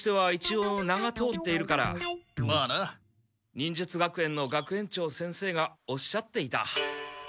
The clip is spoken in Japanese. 忍術学園の学園長先生がおっしゃっていた。